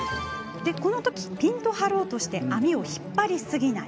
このとき、ピンと張ろうとして網を引っ張りすぎない。